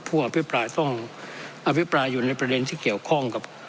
พ่ออภิภรรณ์ต้องอภิภรรณ์อยู่ในประเด็นเกี่ยวข้องกับ